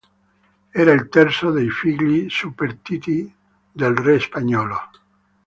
Era il terzo dei figli superstiti del re spagnolo.